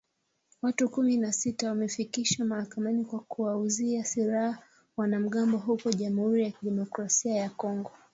Watu kumi na sita wamefikishwa mahakamani kwa kuwauzia silaha wanamgambo huko Jamhuri ya Kidemokrasia ya Kongo